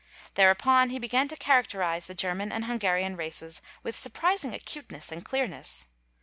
'The re: upon he began to characterise the German and the Hungarian races with surprising acuteness and clearness.